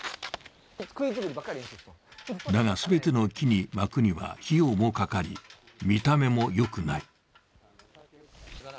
だが、全ての木に巻くには費用もかかり、見た目もよくない。